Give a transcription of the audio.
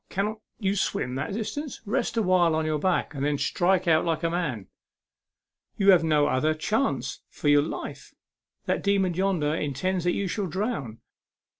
Cannot you swim that distance ? Rest awhile on your back, and then strike out like a man. You have no other chance for your life. That demon yonder intends that you shall drown.